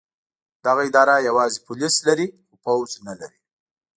دغه اداره یوازې پولیس لري خو پوځ نه لري.